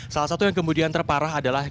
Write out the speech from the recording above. salah satu yang kemudian terparah adalah